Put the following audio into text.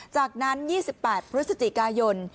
จากนั้น๒๘พฤศจิกายน